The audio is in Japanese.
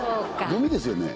ごみですよね？